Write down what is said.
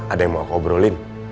ada yang mau aku obrolin